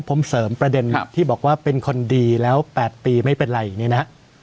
ผมเสริมประเด็นที่บอกว่าเป็นคนดีแล้ว๘ปีไม่เป็นไรเนี่ยนะฮะ